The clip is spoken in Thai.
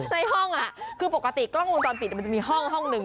ในห้องคือปกติกล้องวงจรปิดมันจะมีห้องห้องหนึ่ง